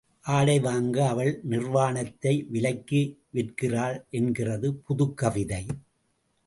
ஆடை வாங்க அவள் நிர்வாணத்தை விலைக்கு விற்கிறாள் என்கிறது புதுக் கவிதை.